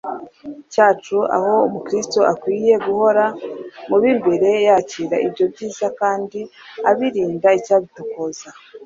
cyacu aho umukirisitu akwiye guhora mu b'imbere yakira ibyo byiza kandi abirinda icyabitokoza